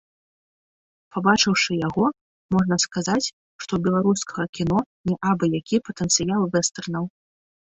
Пабачыўшы яго, можна сказаць, што ў беларускага кіно не абы-які патэнцыял вэстэрнаў.